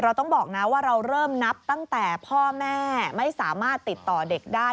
ต้องบอกนะว่าเราเริ่มนับตั้งแต่พ่อแม่ไม่สามารถติดต่อเด็กได้